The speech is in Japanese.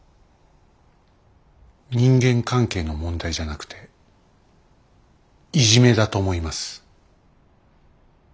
人間関係の問題じゃなくていじめだと思います。